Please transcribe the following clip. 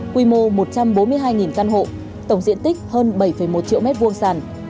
quy mô một trăm bốn mươi hai căn hộ tổng diện tích hơn bảy một triệu m hai sàn